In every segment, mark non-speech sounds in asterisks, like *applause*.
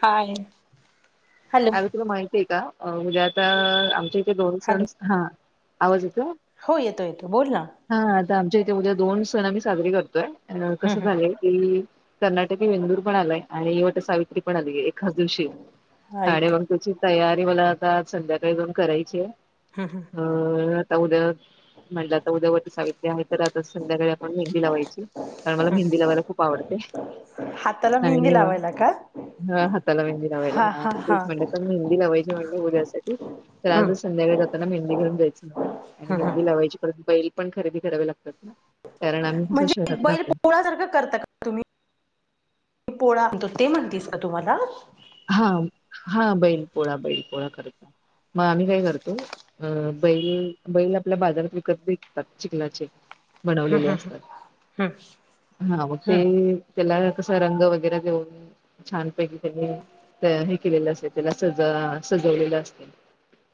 हा आहे. अ तुला माहितीय आहे का म्हणजे आता आमच्या इथे दोन हॅलो सनस ह आवाज येत हो येतो येतो बोल ना हा आता आमच्या इथे उद्या दोन सण आम्ही साजरे करतोय अ कसं हम्म झालंय की, कर्नाटकी वेंदूर पण आलाय आणिवट सावित्री पण आली एकाच दिवशी. हम्म आणि ऐक मग तुची तयारी मला आता संध्याकाळी जाऊन करायची आहे. हम्म हम्म. आता उद्या. म्हणज आता उद्यावट सावित्रि आहे तर आता संध्याकाळी आपण मेंहदी लावायची कारण मला मेंहदी लावायला खूप आवडते हाताला मेहंदी आणि लावायला का ह हाताला मेहंदी लावायला हा हा हा म्हण मेंहदी लावायची म्हण उद्यासाठी तर हम्म आज संध्याकाळी जाताना मेंहदी घेन जायची. आणि हम्म मेहंदी हम्म लावायची पर बैल पण खरेदी करावे लागत. म्हणजे बैल पोहळ सारखं करता का तुम्ही. पोळा म्हणतो ते म्हणतीस का तुम्हाला. हा हा बैल पोळा बैल पोळा करत. मग आम्ही काय करतो अ बैल बैल आपल्या बाजारात विकत भेटतात चिकलाचे बनवलेले हम्म असतात हम्म हम्म हा मग ते हम्म त्याला कसा रंग वगैरे देऊन छानपैकी त्यानी हे केलेलं असते त्याला सज सजवलेलं असते.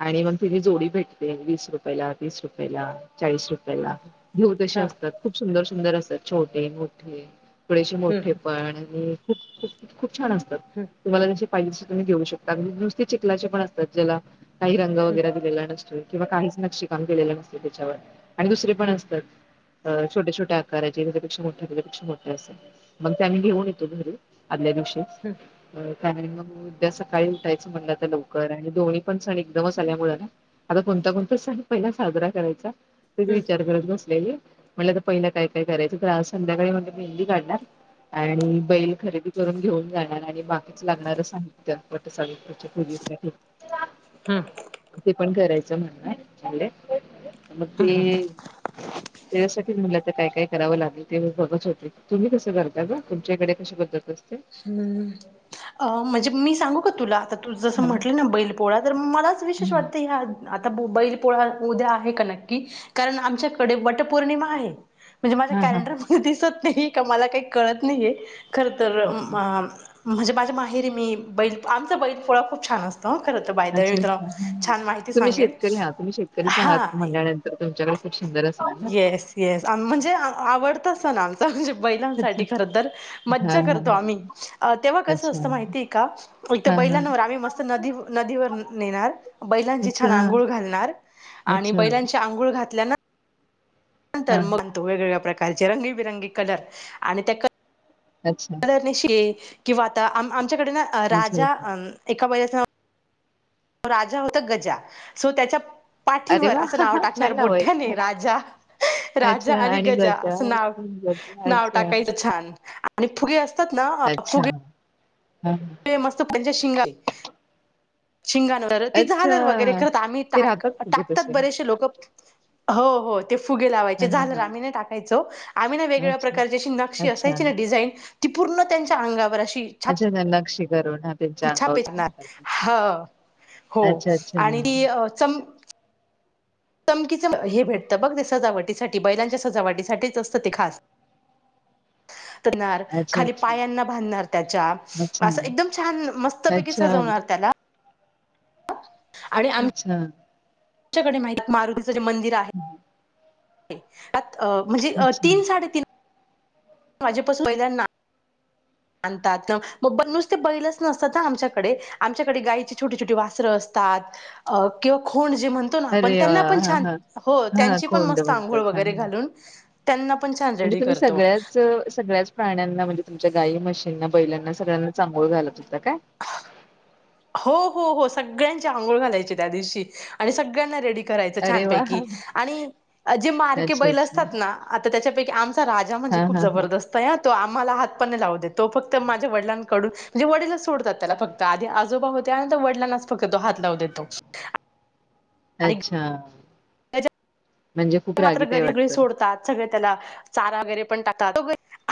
आणि मग ति जोडी भेटते वीस रुपयला तीस रुपयेला चाळीस रुपयाला घेऊ तसे हा असतात खूप सुंदर सुंदर असतात छोटे मोठे थोडेसे हम्म मोठे हम्म पण आणि खूप खूप खूप छान असतात. तुम्हाला जसे पाहिजे तसें तुम्ही घेऊ शकता नुसते चिखलाचे पण असता ज्याला काही रंग हम्म वैगरे दिलेला नसतो. किंवा काहीच नक्षी काम केलेलं नसत त्याच्यावर आणि दुसरे पण हम्म हम्म असतात. छोट्या छोट्या आकारा ज त्याच्यापेक्षा मोठे त्याच्यापेक्षा मोठे असे मग त्या आमी घेऊन येतो घे आदल्या दिवशी. मग उद्या सकाळी उठायचं म्हणलं तर लवकर आणि दोन्ही पण सण एकदमच आल्यामुळे आता कोणत सण पहिला साजरा करायचा ते हम्म विचार करत नसत म्हटलं आता पहिला काय काय करायचं तर संध्याकाळी म्हणजे मेहंदी काढणार आणि बैल खरेदी करून घेऊन जाणार आणि बाकीच लागणार साहित्य वटसावित्री पूजेसाठी हम्म ते पण करायचं म्हणले मग ते त्यासाठी मुला काय काय करावं लागेल ते बघत होते तुम्ही कसं करता का तुमच्याकडे कशी पद्धत अस हम्म अ म्हणजे मी सांगू का तुला आता त जसं हा म्हटलं हा ना बैल पोळा तर मलाच विशेष वाटत ह्या आ ब बैल पळा उद्या आहे का नक्की कारण आमच्याकडे वट पौर्णिमा आहे म्हणजे माझ्या हा हा हा कॅलेंडर म दिसत नाही का मला काही कळत नाहीये खर तरर असं म्हणजे माझ्या माहेरी मी बैल आमचा बैल पोळा खूप छान असत अच्छा अच्छा ह तुम्ही सांगेल शेतकरी आहात तुम्ही शेतकरीच आहात हा म्हणल्यानंतर तुमच्याकडे खूप सुंदर अस येस येस म्हणजे आवडतस ना आमच म्हणजे अच्छा. बैलांसाठी खर तरर हां, मज्जा हां, करतो हां. आम्ही तेव्हा कसं अच्छा. असतं माहितीय का इथ हां, हां. बैलांवर आम्ही मस्त नदी नदीवर नेणार बैलांची छान अच्छा. आंघोळ घालणार आणि अच्छा. बैलांच्या आंघोळ घातल्या ना नंतर हां, हां. म्हणतो वेगवेगळ्या प्रकारचे रंगीबिरंगी कलर आणि त्या अच्छा. धरणेशी किंवा आताम आमच्याकडेन अच्छा, राजा अच्छा. अं एका वच राजा होता गजा सो त्याच्या अरे पाठीवर वाह! असं नाव टाकणार छान नाव आहे. मोठ्याने राजा राजा अच्छा आणि गजा असं नाव गजा नाव अच्छा. टाकायचं छान आणि फुगे असतात ना फुगे हम मस्त त्यांच्या शिंगात शिंगांणवर तर ती अच्छा. झालर वगैरे खरंतर आम्ही ते राहतात टाकत फुगे टाकतात तसे. बरेशे लोकं हो हो ते फुगे लावायचे हां, हां, झालर हां. आम्ही नाही टाकायचो आम्ही ना वेगवेगळ्या अच्छा. प्रकारची अशी नक्षी अच्छा. असायची ना डिझाईन ती पूर्ण त्यांच्या अंगावर अशी अच्छा त्या नक्षी करून हां, त्यांच्या छापेच ना अंगावर हो हो अच्छा, अच्छा. आणि ती अ चम चमकीचं हे भेटतं बघ ते सजावटीसाठी बैलांच्या सजावटीसाठीच असतं ते खास *inaudible* अच्छा, खाली अच्छा. पायांना बांधणार त्याच्या अच्छा. असं एकदम छान मस्तपैकी अच्छा सजवणार त्याला आणि अच्छा आमच्याकडे माहिती आहे मारुतीचं जे मंदिर आहे अ म्हणजे अ अच्छा तीन साडेतीन माझे पासून पहिल्यांदा ह आणतात मग बर नुसतं ते बैलचं नसतात हं आमच्याकडे आमच्याकडे गाईची छोटी छोटी वासरं असतात अ किंवा खूण म्हणतो ना आपण अरे वा त्यांना पण हा छान हा हो हा त्यांची पण कोंड मस्त अंघोळ म्हणतात हा हा वगैरे घालून त्यांना पण छान म्हणजे रेडी तुम्ही करतो सगळ्याच सगळ्याच प्राण्यांना म्हणजे तुमच्या गायी म्हशींना बैलांना सगळ्यांनाच अंघोळ घालत होत हो हो हो सगळ्यांची आंघोळ घालायची त्या दिवशी आणि सगळ्यांना रेडी करायचं अरे वा हा. छानपैकी आणि जे मारके अच्छा बैल अच्छा असतात ना आता त्याच्यापैकी आम चा राजा म्हणजे हा खूप हा हा जबरदस्त आहे हं तो आम्हाला हातपण नाही लावू देत तो फक्त माझ्या वडिलांकडून म्हणजे वडीलंच सोड तात त्याला फक्त आधी आजोबा होते आणि‌ आता वडीलांनाच फक्त तो हात लावू देतो आणि अच्छा म्हणजे खूप मात्र रागीट आहे घरीघरी वाटतं सोडतात सगळे त्याला चारा वगैरे पण टाकतात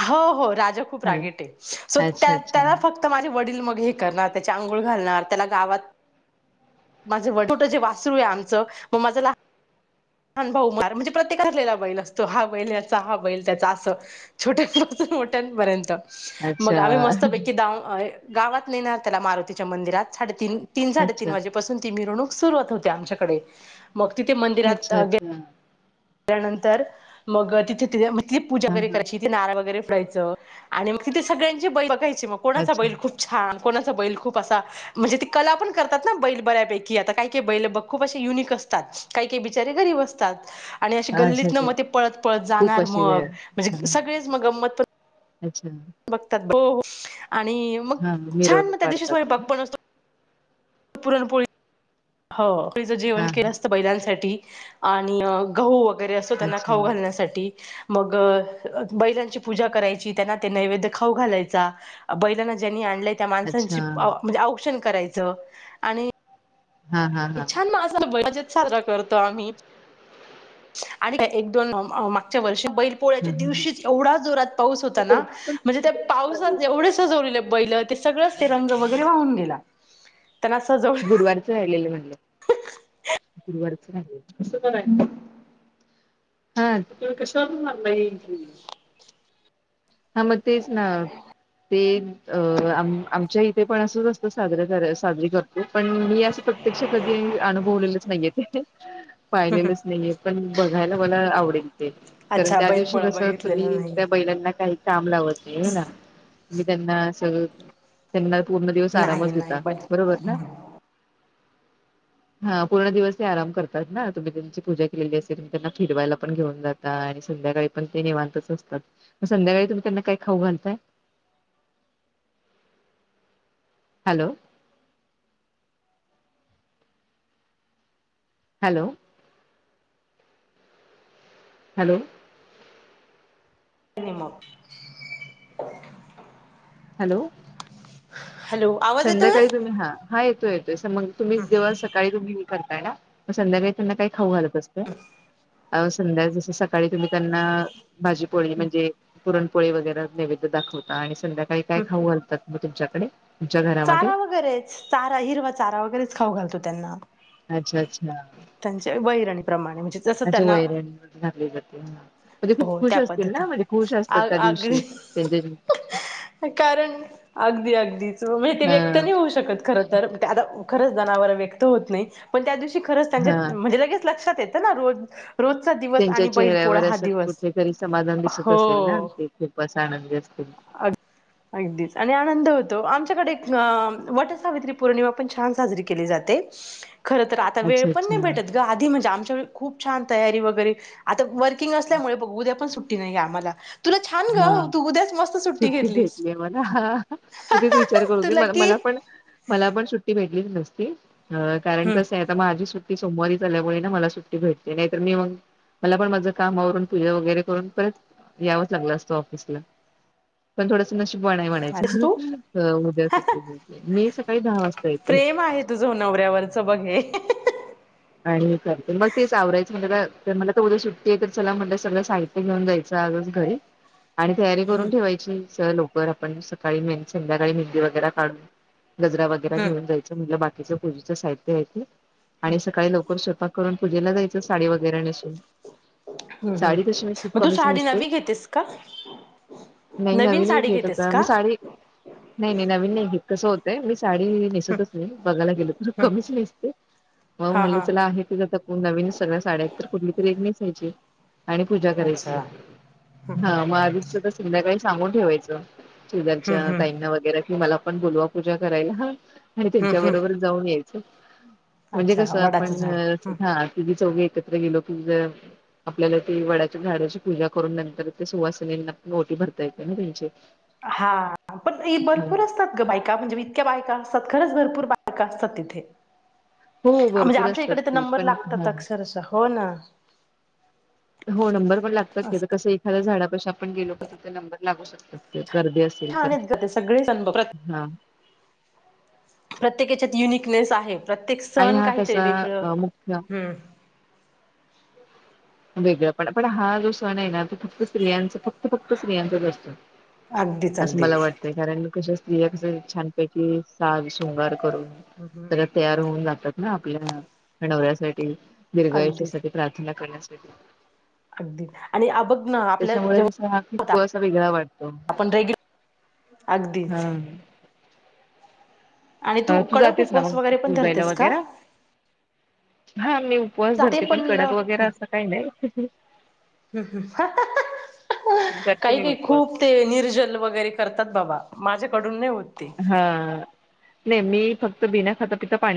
हो हो खूप हा राग येते सो अच्छा त्या अच्छा त्याला फक्त माझे वडील मग हे करणार त्याच्या आंघोळ घालणार त्याला गावात माझं वडील छोट जे वासरू आहे आमचं मग माझा लहान भाऊ मार म्हणजे प्रत्येकाचा ठरलेला बैल असतो हा बैल याचा हा बैल त्याचा असं छोट्या मोठ्यापर्यंत अच्छा मग आम्ही मस्तपैकी दाव गावात नेणार त्याला मारुतीच्या मंदिरात साडेतीन तीन साडेतीन अच्छा वाजेपासून ती मिरवणूक सुरुवात होते आमच्याकडे मग तिथे मंदिरात हम् त्यानंतर मग तिथे तिथंली पूजा हा वगैरे हा करायची तिथे नारळ वगैरे फोडायचं आणि मग तिथे सगळ्यांची बैल बघायची मग कोणाचा अच्छा बैल खूप छान कोणाचा बैल खूप असा म्हणजे ती कला पण करतात ना बैल बऱ्यापैकी आता काय काय बैलं बघ खूप असे युनिक असत तात काही काही बिचारे गरीब असतात आणि अशे हा अच्छा गल्लीतनं अच्छा मग ते पळत पळत खूप जाणार अशी मग वेळ हा म्हणजे हा सगळेच मग गंमत पण अच्छा बघतात हो हो आणि मग हा छान मिरवणूक मग त्या दिवशी काढतात ना स्वयंपाक पण असतो पुरणपोळी हो चं हा जेवण केलं हा असतं बैलांसाठी आणि गहू वगैरे असं त्यांना खाऊ अच्छा घालण्यासाठी मग बैलांची पूजा करायची त्यांना ते नैवेद्य खाऊ घालायचा बैलांना ज्यांनी त्या अच्छा माणसांची म्हणजे औक्षण करायचं आणि हा हा हा छान! मा मजेत साजरा करतो आम्ही. आणि का एक दोन मागच्या वर्षी बैल ह पोळ्याच्या ह दिवशीच एवढा जोरात पाऊस ते होता गरजूस पण किती म्हणजे त्या इंटरेस्ट झाली पावसात होती. एवढे सजवले बैल ते सगळंच ते रंग वगैरे वाहून गेला. त्यांना सजवलं गुरुवारच राहिलेलं म्हणल. गुरुवार कसं बघायचं. हा तुम्ही कशावरून मारला. *unintelligible* हा! मगं तेच ना! ते अ आमच्या इथे पण अस असत साजर साजरी करत पण मी असं प्रत्यक्ष कधी अनुभवलेलंच नाहीय ते पाहिलेलंच नाहीये पण बघायला मला आवडेल ते कारण अच्छा त्या दिवशी बैलपोळा कस बघितलेला तुम्ही नाही त्या बैलांना काही काम लावत नाही त्याला मी त्यांना सगळ त्यांना पूर्ण दिवस नाही आरामच नाही देता. ब बरोबर ना! हा पूर्ण दिवस ते आराम करतात ना तुम्ही त्यांची पूजा केलेली असेल त त्यांना फिरवायला पण घेऊन जातात. संध्याकाळी पण ते निवांतच असतात. मगं संध्याकाळी तुम्ही त्यांना काय खाऊ घालताय? Hello! Hello! Hello! *inaudible* Hello! Hello आवाज येतोय? संध्याकाळी तुम्ही हा हा येत तसं मगं तुम्ही जेव्हा सकाळी तुम्ही हे करताय ना मगं संध्याकाळी त्यांना काही खाऊ घालत असत? संध्या जसं सकाळी तुम्ही त्यांना भाजी पोली म्हणजे, पुरण पोळी वगैरे नैवेद्य दाखवता आणि संध्याकाळी कायं हम्म खाऊ घालतात मगं तुमच्याकडे? तुमच्या घरामध्ये चारा वगैरेच. चारा हिरवा चारा वगैरेच खाऊ घालतो त्यांना. अच्छा! अच्छा! त्यांच्या वैरणीप्रमाणे म्हणजे जसं अच्छा! त्यांना वैरण घातली जाते. म्हणजे खूप हो खुश त्या असतील पद्धती ना म्हणजे खुश असतात. आ त्या दिवशी आगरी त्यांच्या कारण अगदी अगदीच म्हणजे ते हा व्यक्त नाही होऊ शकत खरं तरं आता खरंच जनावर व्यक्त होत नाही पण त्या दिवशी खरंच त्यांच्या हा. म्हणजे लगेच लक्षात येतं ना रोज रोजचा दिवस आणि बैल पोळा र्यावर हा दिवस कुठे तरी समाधान दिसत असेल ना ते खूपं असं आनंदी असतील. अ अगदीच आणि आनंद होत. आमच्याकडे आ वट सावित्री पौर्णिमा पण छान साजरी केली जाते. खरं तरं आता वेळ अच्छा पण नाही अच्छा भेटत गं आधी म्हणजे आमच्या खूप छान तयारी वगैरे आता वर् किंग असल्यामुळे उद्या पण सुट्टी नाहीय आम्हाला तुला छानं हा गं उद्याच मस्त! सुट्टी भेटली मला आ हा हा मी तेच विचार करू तुला कि मला पण मला पण सुट्टी. भेटलीच नसती. अ कारण हम्म कसायं आता माझी सुट्टी. सुट्टी सोमवारीच झाल्यामुळे ना मला सुट्टी भेटली नाही तर मी मगं मला पण माझं कामावरून पूजा वगैरे करून परत याव लागल असत ऑफिसला. पण थोडसं नशीब. पण आहे म्हणायच. अस तू उद्या मी सकाळी दहा वाजता येते. ऱ्यावरच बघ हे. *inaudible* आणि कर मगं तेच आवरायचं म्हटल तर मला त उद्या सुट्टी आहे, तर चला म्हटल सगळ साहित्य घेऊन जायचं. आजच घाई आणि तयारी हम्म करून ठेवायची स लवकर आपण सकाळी संध्याकाळी मेहंदी वगैरे काढून. गजरा वगैरे हम्म घेऊन जायचं म्हणजे बाकीच्या पूजेचं साहित्य आहे ते. आणि हम्! सकाळी लवकर स्वयपाक करून पूजेला जायच साडी वगैरे नेसून. हम्म साडी हम् तशी मी खूप मग तू कमीच साडी नेसते नवी घेतेस का. नाही नवीन नाही साडी घेत घेतेस का? मी साडी नवीन नाही घेत कस होतय मी साडी नेसतच नाही बघायला गेलो तर हम्म. कमीच नेसते. मग हा म्हटले हा चला आहे, ते जात को नवीन सगळ्या साड्यात तर कुठली तरी एक नाही जायची. आणि पूजा करायची अच्छा हम्म हा हम्म म आदपच तर संध्याकाळी सांगून ठेवायचं. हम्म शजलच्या हम्म ताईंना वगैरे कि मला पण बुोलवा पूजा करायला ह. आणि हम् त्यांच्या हम् बरोबर जाऊन यायचं म्हणजे अच्छा कस वडाचं आपण झाड हं. ती चौघे एकत्र गेलो की जर. आपल्याला ती वड्याच्या झाडाची पूजा करून नंतर ते सुवासनेना ओटी भरता येते ना त्यांची. हा पण भरपूर असतात ग बायका म्हणजे मी इतक्या बायका असतात. खरंच भरपूर बायका असतात तिथे. हो म्हणजे भरपूर आमच्या असतात इकडे तर ती नंबर पण लागतात अक्षरस हो ना. हो नंबर पण लागतात ते असं कस एखाद्या झाडापा आपण गेलो की, तिथे नंबर लागू शकतात ते. गर्दी असेल छान तर आहेत ग ते सगळे सण बघ, हा. प्रत्येकाच्यात युनिकनेस आहे, प्रत्येक आणि सण हा काहीतरी कसा वेगळं अ, मुख्य हम्म वेगळ पण पण हा जो सण आहे ना तो फक्त स्त्रियांचा फक्त फक्त स्तियांचाच असतो. अगदीच असं मला अगदीच वाटतंय कारण कशा स्त्रिया कस छानपैकी साग शृंगार करून हम् हम् सगळ तयार होऊन जातात ना आपल्या नवऱ्यासाठी. अगदीच दीर्घायुषासाठी प्रार्थना करण्यासाठी. अगदी आणि बघ ना आपल्या जेव्हा होता तु असा वेगळा वाटतो. आपण रेगल अगदीच. आणि अ तू कडक जातेस ना उपवास मग वगैरे पण पूजायला धरतेस का वगैरे हा. मी उपवास धरते पण कडक वगैरे असं काही नाही. हम् हम हं हं हं. करते काही मी काही उपवास खूप ते निर्जल वगैरे करतात बाबा माझ्याकडून नाही होत. ते. हा नाही मी फक्त बिना खाता पिता पाणी